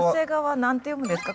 何て読むんですか？